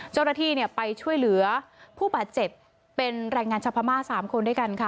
เจ้าหน้าที่ไปช่วยเหลือผู้บาดเจ็บเป็นแรงงานชาวพม่า๓คนด้วยกันค่ะ